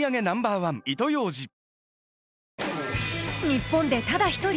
日本でただ１人！？